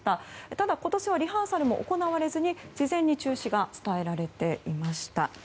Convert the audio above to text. ただ、今年はリハーサルも行われずに事前に中止が伝えられていました。